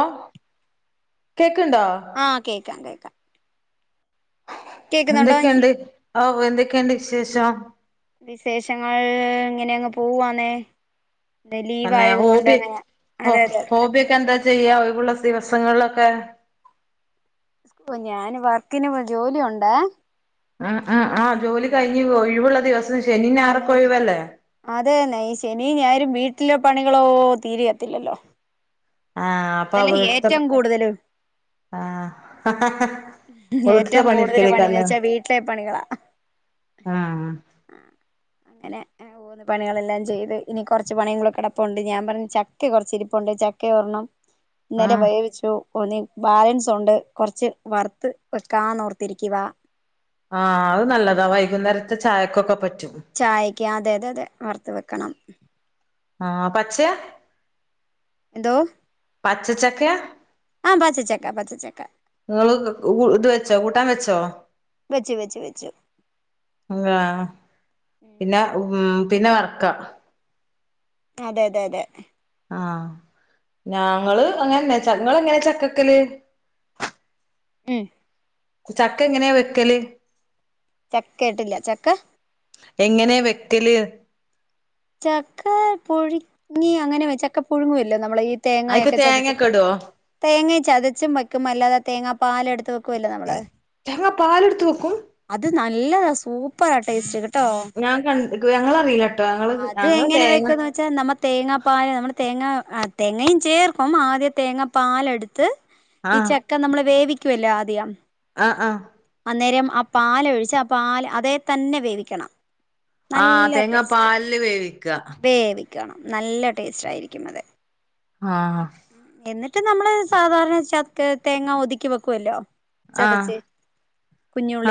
ആഹ കേ ആഹ് കേൾക്കാം കേൾക്കാം കേക്കുന്നുണ്ടോ എന്തൊക്കെയുണ്ട് ആ എന്തൊക്കെയുണ്ട് വിശേഷം വിശേഷങ്ങൾ ഇങ്ങനെങ്ങ് പോവാന്നേ ഇന്ന് ലീവ് തന്നെ ആയത് കൊണ്ട് ഹോബി അങ്ങനെ അതെ അതെ ഹോബിയൊക്കെ എന്താ ചെയ്യാ ഒഴിവുള്ള ദിവസം ദിവസങ്ങളൊക്കെ ഓ ഞാൻ വർക്കിന് പോയി ജോലിയുണ്ട് ആ ആ ആ ജോലി കഴിഞ്ഞ് ഒഴിവുള്ള ദിവസം ശനി ആതെ ഞായറൊക്കെ അതെ ഒഴിവല്ലേ അതെന്നെ ശരി നീ ആരും വീട്ടിലെ പണികളോ തീരത്തില്ലല്ലോ ആഹ അപ്പൊ വീട്ടത്തെ ആഹ ഏറ്റവും കൂടുതൽ പണീന്ന് വെച്ചാ വീട്ടിലെ പണികളാ ആഹ അങ്ങനെ്ഓന്ന് പണികളെല്ലാം ങ്ങനെ പണികളെല്ലാം ചെയ്ത് ഇനി കുറച്ച് പണികൂടെ കിടപ്പുണ്ട് ഞാൻ പറഞ് ചക്ക കുറച്ച് ഇരിപ്പണ്ട് ചക്ക ഒരെണ്ണം ആ ഇന്നലെ വേവിച്ചു ഇനി ബാലൻസ് ഉണ്ട് കുറച്ച് വറുത്ത് വെക്കാന്നോർത്തിരിക്കുക ആഹ അത് നല്ലതാ വൈകുന്നേരത്തെ ചായക്കൊക്കെ പറ്റും ചായക്ക് അതെ അതെ അതെ വറുത്ത് വെക്കണം ആഹ പച്ചെ ന്തോ പച്ചച്ചക്കയാ പച്ചച്ചക്ക നിങ്ങൾ ഇത് വെച്ചോ കൂട്ടാൻ വെച്ച ഓ വെച്ചു വെച്ചു വെച്ചു ആ പിന്നെ ഉം പിന്നെ വർക്ക അതെ അതെ അതെ ആഹ ഞങ്ങൾ പിന്നെ അങ്ങനന്നെ നിങ്ങൾ എങ്ങനെ ചക്ക വെക്കല് [inaudible] ചക്കെങ്ങനെ വെക്കല് ച കേട്ടില്ല ചക്ക എങ്ങനെ വെക്കല് ചക്ക പുഴുങ്ങി അങ്ങനെ വ ചക്ക പുഴുങ്ങുവല്ലോ നമ്മൾ അയ്ക്ക് തേങ്ങൊക്കെ തേങ്ങൊക്കെ ചതച്ചിട്ട് ഇടോ തേങ്ങ ചതച്ചും വയ്ക്കുമ്പോ അല്ലാതെ തേങ്ങാ പാല് എടുത്ത് കുല്ലേ നമ്മളെ തേങ്ങ പാലെടുത്ത് വക്കും ഇത് നല്ലതാ സൂപ്പറ ആ ടേസ്റ്റ് കി ട്ടോ ഞാൻ കണ്ട് ഞങ്ങളറിയില്ലട്ടോ ഞങ്ങള് അത് ഞങ്ങള് എങ്ങനെ തേങ്ങ വെക്കന്ന് വെച്ചാൽ നമ്മ തേങ്ങാപ്പാൽ നമ്മ തേങ്ങ ആ തേങ്ങയും ചേർക്കും ആദ്യ തേങ്ങ പാലെടുത്ത് ഈ ചക്ക നമ്മള് വേവിക്കുവല്ലോ ആദ്യം ആ ആ അന്നേരം ആ പാല് ഒഴിച്ച് ആ പാൽ അതേ തന്നെ വേവിക്കണം ആഹ് നല്ല തേങ്ങ ടേസ്റ്റ് പാലില് വേവിക്ക വേവി കണം നല്ല ടേസ്റ്റ് ആയിരിക്കും അത് ആ മറ്റ നമ്മള് സാധാരണ ച തേങ്ങ ഒതുക്കി വെക്കുവല്ലോ ആഹ് ചതച്ചി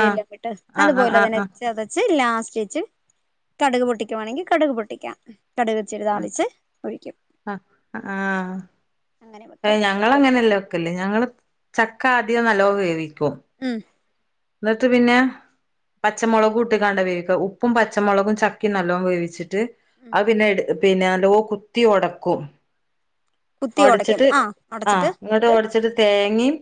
ആഹ് വിട്ട് ആഹ് അത്പോലോ ആഹ് തന്നെ ആഹ് ചതച്ചി ച്ച് ലാസ്റ്റ് വച്ച് കടുക് പൊട്ടിക്കുവാണെങ്കിൽ കടുക് പൊട്ടിക്കാം കടുക ചെടി ആഹ് താളിച്ച് ഒഴിക്കും അങ്ങനെ അ വെക്കും ഞങ്ങ അങ്ങനെല്ല വെക്കൽ ഞങ്ങള് ചക്ക ആധികം നല്ലോ വേവിക്കോ ഉം എന്നിട്ട് പിന്നെ പച്ചമുളക് ഇട്ടക്കണ്ട് വേവിക്ക ഉപ്പും പച്ചമുളകും ചക്കി നല്ലോണം വേവിച്ചി ട്ട് ഉം ആ പിന്നെ പിന്നെല്ലോ കുത്തി ഉടക്കും കുത്തി ഒടയ്ക്കും ഓടിച്ചിട്ട് ആ ആഹ് ഒടച്ചിട്ട് ഇങ്ങോട്ട് ഓടിച്ചിട്ട് തേങ്ങയും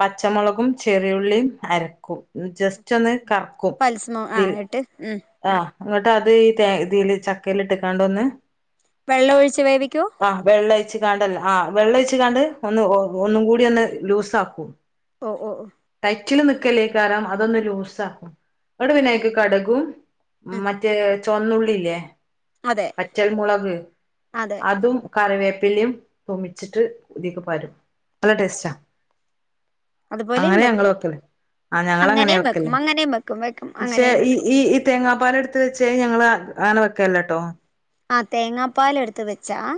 പച്ചമുളകും ചെറിയുള്ളിയും അരക്കും ജസ്റ്റ് ഒന്ന് കറക്കും പൽസ്മോ ആ ഇതിൽ ഇട്ട് ഉം ആഹ് അങ്ങോട്ട് അത് ഈ ഇതിൽ ചക്കൽ ഇട്ടക്കാണ്ട ഒന്ന് വെള്ളം ഒഴിച്ചു വേവിക്കൂ ച്ച് കാണ്ടല്ല ആ വെള്ളം ഒഴിച്ച് കാണ്ട് ഒന്ന് ഒന്നും കൂടി ഒന്ന് ലൂസ് ആക്കും ഓ ഓ ഓ അച്ചിൽ നിക്കലേ കാരം അതൊന്ന് ലൂസ ആക്കും അവിടെ ഉം ഉം വിനയക്ക് കടകും ഉം മറ്റേ ചൊന്നുള്ളില്ലേ അതെ വറ്റൽ മളക് അതെ അതും കരവേപ് പിലെം തൂമ്പിച്ചിട്ട് ഇതിക്ക് പാരും നല്ല ടേസ്റ്റ അതുപോലെയും അങ്ങനെ വെക്കും ഞങ്ങള് വെക്കലേ ആ ഞങ്ങള അങ്ങനെ അങ്ങനെയും വെക്കല്ലേ വെക്കും അങ്ങനെയും വെക്കും വെക്കും പക്ഷേ അങ്ങനെയും ഈ വെക്കും ഈ ഇത ങ്ങാ പാല് എടുത്ത് വെച്ചേ ഞങ്ങള് അങ്ങനെ വെക്കല്ലെട്ടോ ആ തേങ്ങാപ്പാല് എടുത്ത് വെച്ചാ ആ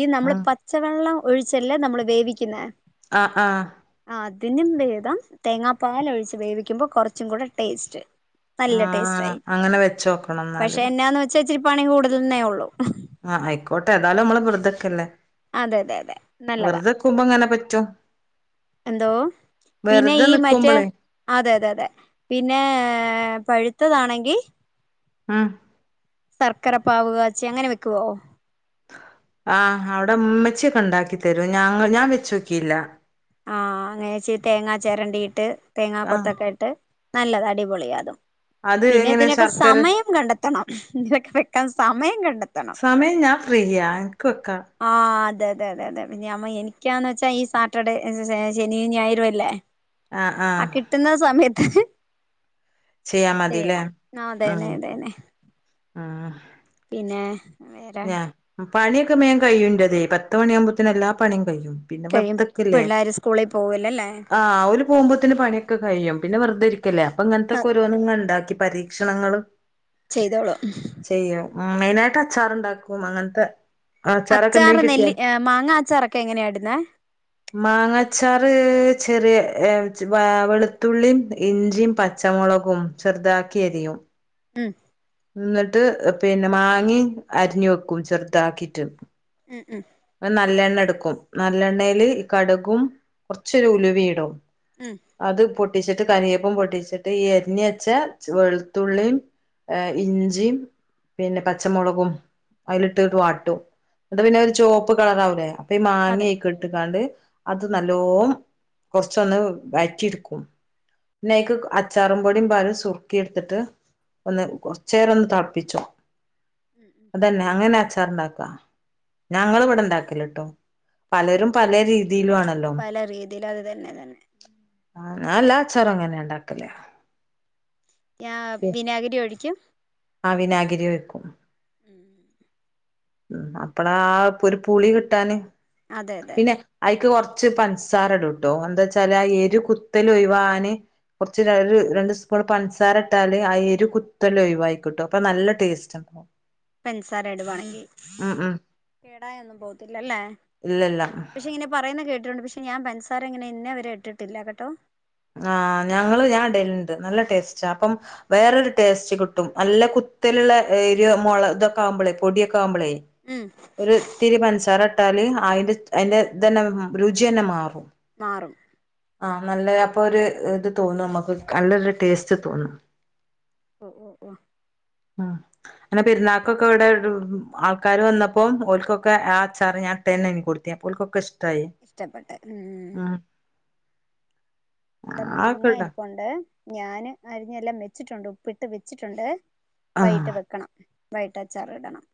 ഈ നമ്മള് ആഹ് പച്ചവെള്ളം ഒഴിച്ചല്ലേ നമ്മൾ വേവിക്കുന്ന ആ ആ ഇതിനും വേദം തേങ്ങാപ്പാല് ഒഴിച്ച് വേവിക്കുമ്പോ കുറച്ചും കൂടെ ടേസ്റ്റ് നല്ല ടേസ്റ്റ് ആഹ് ആയി അങ്ങനെ വെച്ചോക്കണം ന്നാല് പക്ഷെ എന്നാ വെച്ചാ ഇച്ചിരി പണി കൂടുതലന്നേ ഉള്ളു ആഹ് ആയിക്കോട്ടെ ഏതായാലും നമ്മള് വെറതെക്കെല്ലേ അതെതെ അതെ നല്ലതാ അങ്ങനെ പറ്റോ എന്തോ പിന്നെ ഈ മറ്റേ നിക്കുമ്പളേ അതെ അതെ അതെ പിന്നെ പഴുത്തതാണെങ്കിൽ ആ ശർക്കര പാവ് കാച്ചി അങ്ങനെ വെക്കുവോ ആഹ് അവിടെ ഉമ്മച്ചയൊക്കെ ഉണ്ടാക്കി തരൂ ഞ ഞാൻ വെച്ച് നോക്കിയില്ല ആ അങ്ങനെച്ച തേങ്ങാ ചിരണ്ടിട്ട് തേങ്ങാ ആഹ് കൊത്തൊക്കെ ഇട്ട് നല്ലതാ അടിപൊളിയാതും അത് എങ്ങനെ പിന്നെതിനൊക്കെ ശർക്കര സമയം കണ്ടെത്തണം ഇതിനൊക്കെ വെക്കാൻ സമയം കണ്ടെത്തണം ആ ഫ്രീയാന്ക്ക് വെക്ക ആ അതെ അതെ അതെ അതെ പിന്നെ നമ്മ എനിക്കാന്ന് വെച്ചാ ഈ സാറ്റർഡേ ശെനിം ഞായറും അല്ലേ ആഹ് ആ ആഹ് കിട്ടുന്ന സമയത്ത് ചെയ്യാ മതില്ലേ ചെയ്യണം ആ അതെനേ അതെന്നേ ആഹ് പിന്നെ വേറെ ഞാ പണ്യൊക്കെ മേം കയ്യുൻ്റെതേ പത്ത് മണിയാവുമ്പോത്ത്ന് എല്ലാ പണിം കയ്യും പിന്നെ കഴിയും വെറ്തെക്കല്ലേ പിള്ളേര് സ്കൂളിൽ പോവൂലല്ലേ ആ ഓൽ പോകുമ്പോത്ത്ന് പണ്യൊക്കെ കഴിയും പിന്നെ വെറുതെയിര്ക്കല്ലേ അപ്പൊ ഇങ്ങന് ആഹ് ത്തക്കോരോന്ന്ങ്ങെണ്ടാക്കി പരീക്ഷണങ്ങൾ ചെയ്തോളൂ മ് മെയ്നായ്ട്ട് അച്ചാറ്ണ്ടാക്കും അങ്ങന്ത്തെ അച്ചാർ നെല്ലി മാങ്ങാച്ചാറൊക്കെ എങ്ങനെയിടുന്നേ മാങ്ങച്ചാർ ചെറിയ വെളുത്തുള്ളിം ഇഞ്ചിയു പച്ച ച്ചമൊളകും ചെറ്താക്കി എരിയും മ്മ് ന്ന്ട്ട് പിന്നെ മാങ്ങിം അര്ഞ്ഞ് വെക്കും ചെറ്താക്കിട്ട് ഉം ഉം നല്ലെണ്ണ എടക്കും നല്ലെണ്ണേൽ കട്കും കൊറ്ച്ചൊരു ഉലുവീടും ഉം അത് പൊട്ടിച്ചിട്ട് കര്യേപ്പും പൊട്ടിച്ചിട്ട് ഈ എര്ഞ്ഞെച്ച വെള്ത്തുള്ളിം എം ഇഞ്ചിം പിന്നെ പച്ചമൊളകും അയിൽ ഇട്ടിട്ടു വാട്ടും ന്നട്ട് പിന്നത് ഒരു ചോവപ്പ് കളറാവൂലേ അപ്പൊ ഈ അതെ മാങ്ങിം അയ്ക്ക്ട്ട്ക്കാണ്ട് അത് നല്ലോം കൊറ്ച്ചൊന്ന് വയറ്റിട്ക്കും പിന്നയ്ക്ക് അച്ചാറും പൊടിം പാരും സുറുക്കി എടുത്തിട്ട് ഒന്ന് കൊറച്ചേരൊന്ന് തള്പ്പിച്ചും. ഉം ഉം അതന്നെ അങ്ങനെ അച്ചാ ണ്ടാക്കാ. ഞങ്ങളിവ്ടെണ്ടാക്കല്ട്ടോ പലരും പലേ രീതി പല രീതിയില അത് തന്നെ തന്നെ. ആ ഞാൻ എല്ലാ അച്ചാറും അങ്ങനെ ഇണ്ടാക്കല് ഞാ വിനാഗിരി ഒഴിക്കും ആ വിനാഗിരി ഒഴിക്കും. മ് മ് അപ്പളാ ആ ഒരു പുളി കിട്ടാന്, അതെ അതെ പിന്നെ അയ്ക്ക് കൊറ് ച്ച് പഞ്സാരടുട്ടോ എന്താച്ചാല് ആ എരു കുത്തല് ഒയ് വാവാന്. കൊറ്ച്ച് ഒര് രണ്ട് സ്പൂൺ പഞ്സാരട്ടാല്, ആ എരു കുത്തൽ ഒഴിവായി കിട്ടും അപ്പൊ നല്ല ടേസ്റ്റ് [inaudible] പെൻസാര ഇടുവാണെങ്കി ഉം ഉം കേടായൊന്നും പോവ്ത്തില്ലല്ലേ? ഇല്ലല്ല പക്ഷെ ഇങ്ങനെ പറയുന്ന കേട്ടിട്ടുണ്ട് പക്ഷേ, ഞാൻ പൻസാരങ്ങനെ ഇന്നേവരെ ഇട്ട്ട്ടില്ല കേട്ടോ ആ ഞങ്ങള് ഞാൻ ഇടല്ണ്ട്. നല്ല ടേസ്റ്റാ അപ്പം വേറൊരു ടേസ്റ്റ് കിട്ടും നല്ല കുത്തല്ള്ള എരോ മൊളോ തൊക്കാവുമ്പൊളേ പൊട്യൊക്കാവുമ്പളേ ഉം ഒരുത്തിരി പൻസാരട്ടാല് ആയിൻ്റെ അയിന്റെ തന്നെ രുച്യന്നെ മാറും. മാറും ആ നല്ല അപ്പൊര് ഇത് തോന്നും നമ്മക്ക് നല്ലൊരു ടേസ്റ്റ് തോന്നും. ഓ ഓ ഓ ആ ന്നലെ പെര്ന്നാക്കൊക്കെവടെ ആൾക്കാര് വെന്നപ്പോം ഓൽകൊക്കെ ആ അച്ചാർ ഞാൻ ട്ടന്നെ കൊട്ത്ത് ഞാൻ അപ്പോ ഓൽകൊക്കെ ഇഷ് ഇഷ്ടപ്പെട്ടെ മ്മ് ടെ മാങ്ങ ആക്കെ ഇടാ ഇര്പ്പുണ്ട്. ഞാൻ അരിഞ്ഞെല്ലാം വെച്ചിട്ടുണ്ട്, ഉപ്പിട്ട് വെച്ചിട്ടുണ്ട് വൈട്ട് ആഹ് വെക്കണം വൈകിട്ട് അച്ചാറ്ടണം.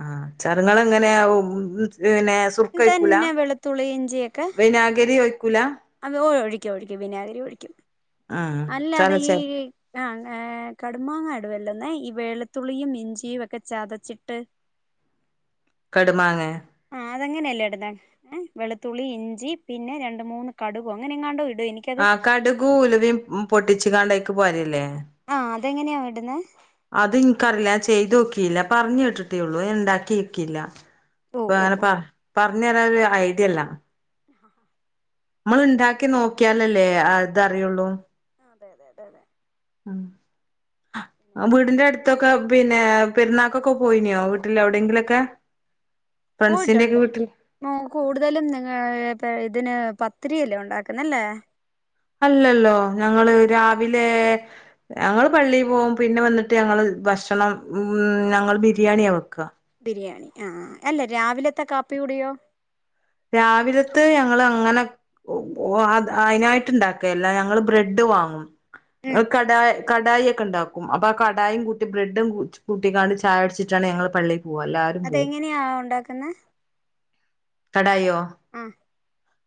ആ അച്ചാറുകളെങ്ങനെയാ [unintelligible] പിന്നെ സുർക്ക ഒയ്ക്കൂലാ? ഇതന്നെ വെളുത്തുള്ളി വിനാഗിരി ഒ അതെ ഓ ഒഴിക്കും ഒഴിക്കും വിനാഗിരി ഒഴിക്കും. ആഹ് അല്ല അതെ ചതച്ച ഈ ആഹഹ് കടുമാങ്ങ അച്ച വല്ലെന്ന് ഈ വെളുത്തുളളിയും, ഇഞ്ചിയും ഒക്കെ ചതച്ചിട്ട് കടുമാങ്ങേ? അതെങ്ങനെയല്ലേ ഇടുന്നെ? ഏ വെളുത്തുള്ളി ഇഞ്ചി പിന്നെ രണ്ട് മൂന്ന് കടുവോ അങ്ങനെങ്ങാണ്ടോ ആ കടുകും ഉലവിം പൊട്ടിച്ച്ക്കാണ്ട് അയ്ക്ക് പാരല്ലേ? ആ അതെങ്ങനെയാ ഇട്ന്നേ? അത് ഇൻകറീല. ഞാൻ ചെയ്ത് നോക്കീല്ല. പറഞ്ഞേട്ടിട്ടേള്ളൂ. ഞാൻ ണ്ടാക്കി നോക്കീല്ല. ഓഹ് അപ്പൊ ഓഹ് അങ്ങനെ ഓഹ് പറ പറഞ്ഞരാനൊരു ഐഡിയല്ല. [inaudible] നമ്മൾ ഇണ്ടാക്കി നോക്കിയാലല്ലേ അതറിയുള്ളൂ. അതെ അതെ അതെ അതെ ഉ പിന്നെന്നാ വീടിന്റെ അടുത്തൊക്കെ പിന്നെ പെരുന്നാക്കൊക്കെ പോയിനോ വീട്ടില് എവിടെങ്കിലൊക്കെ? പോയിട്ടുണ്ട്കൂടുതലും നിങ്ങ ഇതിന് പ ത്തിരിയല്ലേ ഉണ്ടാക്കുന്നല്ലേ? അല്ലല്ലോ ഞങ്ങള് രാവിലെ ഞങ്ങള് പള്ളി പോകും, പിന്നെ വന്നിട്ട് ഞങ്ങള് ഭക്ഷണം ഉം ഞങ്ങൾ ബിരിയാണിയാ വെക്ക. ബിരിയാണി ആ അല്ല രാവിലത്തെ കാപ്പി കൂടിയോ? രാവിലത്തെ ഞങ്ങള് അങ്ങനെ അതിനായിട്ട് ഉണ്ടാക്കലില്ല. ഞങ്ങള് ബ്രെഡ് വാങ്ങും. ഉം കട കടായി ഒക്കെ ഉ ണ്ടാക്കും. അപ്പ ആ കടായിം കൂട്ടി ബ്രെഡും കൂട്ടിക്കാണ്ട് ചായുട്ച്ച്ട്ടാണ് ഞങ്ങള് പള്ളി അതെങ്ങനെയാ ഉണ്ടാക്കുന്നെ? കടായിയോ ആ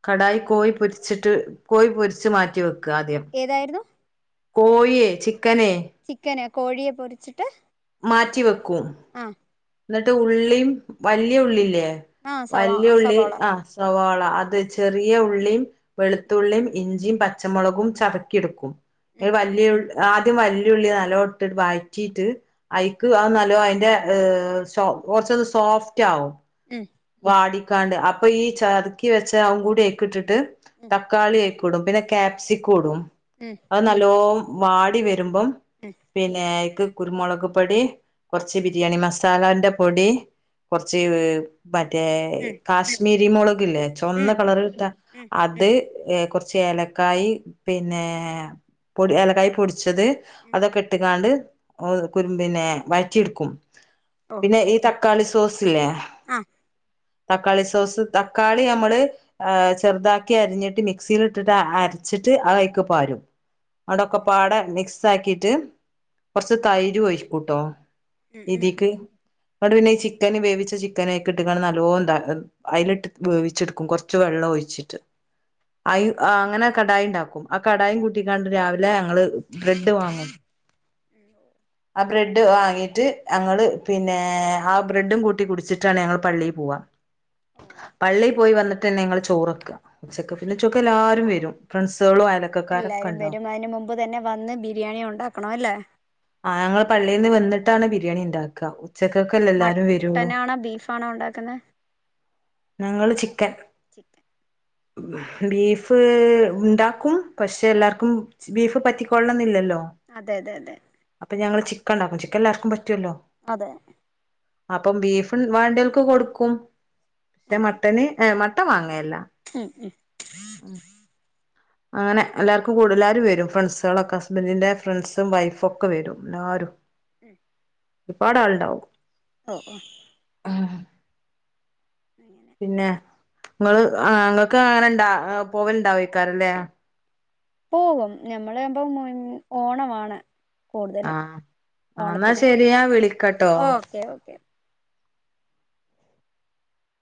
കടായി കോഴി പൊരിച്ചിട്ട് കോഴി പൊരിച്ച് മാറ്റി വെക്കും ഏതായിരുന്നു കോഴിയെ ചി ചിക്കന് കോഴിയെ പൊരിച്ചിട്ട് റ്റി വെക്കും ആ എന്നിട്ട് ഉള്ളീം വലിയ ഉള്ളില്ലേ ആ സവാ സവാള [unintelligible] ആ സവാള അത് ചെറിയ ഉള്ളിയും വെളുത്തുള്ളിയും ഇഞ്ചിയും പച്ചമുളകും ചതക്കിടുക്കും ഉം ആദ്യം വല്ലിയുള്ളി നലോ ഇട്ട്ട്ട് വയറ്റിട്ട് ഉം അയിക്ക് അഅ് നലോ കുറച്ചൊന്ന് സോഫ്റ്റ് ആകും വാടിക്കാണ്ട് അപ്പൊ ഈ ചത്ക്കി വെച്ച അവും കൂടി അയ്ക്കിട്ടിട്ട് ഉം തക്കാളി ഇടും പിന്നെ ക്യാപ്‌സിക്കുടും ഉം അത് നല്ലോ വാടി വരുമ്പോ ഉം പിന്നെ കുരുമുളക് പൊടി കുറച്ച് ബിരിയാണി മസാലാന്റെ പൊടി കുറച്ച് മറ്റേ ഉം കാശ്മീരി മുളക് ലേ ഉം ഉം ചുവന്ന കളർ കിട്ടാ ഉം ഉം ഉം അത്ഏ കുറ ച്ച് ഏലക്കൈ പിന്നെ പൊഏലക്കായി പൊടി ച്ചത് ഉം അതൊക്കെ ഇട്ട കാണ്ട് കു പിന്നെ വഴറ്റി എടുക്കും പിന്നെ ഈ തക്കാളി സോസ് ലേ ആ തക്കാളി സോസ് തക്കാളി നമ്മള് ചെറുതാക്കി അരിഞ്ഞിട്ട് മിക്സിലിട്ടിട്ട് അ രിച്ചിട്ട് അതയ്ക്ക് പാരും അവ്ടൊക്ക ഓഹ് പാടെ മിക്സാക്കിട്ട് കൊറ്ച്ച് തൈരും ഒയ്ക്കൂട്ടോ ഉം ഉം ഇതീക്ക് [unintelligible] പിന്നെ ഈ ചിക്കന് വേവിച്ച ചിക്കനെകെ കിട്ടികാണും നല്ലോന്താ അ അയ്ലിട്ട് വേവ്ച്ചെടുക്കും കൊറ്ച്ച് വെള്ളം ഒയ്ച്ചിട്ട് അയ്യു ഉം ആ ഉം അങ്ങനെ കടായി ഇണ്ടാക്കും ആ കടായിം കൂട്ടിക്കാണ്ട് രാവിലെ ഞങ്ങള് ബ്രെഡ് വാങ്ങും ഉം ഉം ആഹ് ബ്രെഡ് വാങ്ങീട്ട് ഞങ്ങള് പിന്നെ ആ ബ്രെഡും കൂട്ടി കുടിച്ചിട്ടാണ് ഞങ്ങള് പള്ളി പോവാ ഓ പള്ളി പോയ് വന്നിട്ടന്നെ ങ്ങള് ചോറൊക്ക ഉച്ചക്ക് പിന്നെ ചൊക്കെല്ലാരും വരും ഫ്രണ്ട്സ് എല്ലാരും വരും അയ്ന് മുമ്പ് തന്നെ വന്ന് ബിരിയാണി ഒണ്ടാക്കണ അല്ലേ ആ ഞങ്ങള് പള്ളിന്ന് വെന്നിട്ടാണ് ബിരിയാണി ഇണ്ടാക്കാ ഉച്ചകൊകെ അല്ലെ എല്ലാരും വരുള്ളൂ മട്ടനാണോ ബീഫാണോ ഉണ്ടാക്കുന്നത് ഞങ്ങള് ചിക്കൻ ചിക്കൻ ബീഫ് ഉണ്ടാക്കും പക്ഷെ എല്ലാർക്കും ബീഫ് പറ്റിക്കൊള്ളന്നില്ലല്ലോ അതെ അതെ അതെ അപ്പ ഞങ്ങള് ചിക്കൻണ്ടാക്കും ചിക്കൻ എല്ലാർക്കും പറ്റുവല്ലോ അതെ അപ്പം ബീഫും വണ്ടിയക്ക് കൊടുക്കും പക്ഷെ അങ്ങനെ മട്ടന് എ മട്ടവാങ്ങല്ല ഉം ഉം അങ്ങനെ എല്ലാർക്കും കൂടുലാരും വരും ഫ്രണ്സ്കളൊക്കെ ഹസ്ബന്റിന്റെ ഫ്രണ്ട്സും വൈഫോക്കെ വരും എല്ലാരും [unintelligible] ഇപ്പാടെ ആൾണ്ടാവും ആഹ് ആഹ് ആ അങ്ങനെ നിങ്ങള് ആ നിങ്ങക്ക് അങ്ങനെ ഇണ്ടാ ആ പോവൽണ്ടാവയ്ക്കാറല്ലേ പോകും ഞമ്മളയാമ്പോ [unintelligible] ഓണമാണ് കൂടുതലും ആഹ് ആ എന്നാ ഓണത്തിന് ശരി ഞാൻ സദ്യ വിളിക്കട്ടോ ആ ഓകെ ഓകെ